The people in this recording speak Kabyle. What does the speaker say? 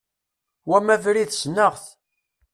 Wama abrid sneɣ-t.